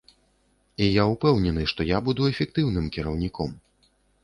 І я ўпэўнены, што я буду эфектыўным кіраўніком.